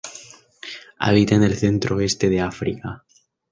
Habita en el centro oeste de África.